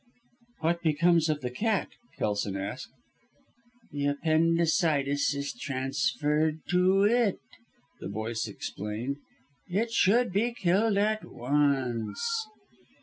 "What becomes of the cat?" Kelson asked. "The appendicitis is transferred to it," the voice explained. "It should be killed at once.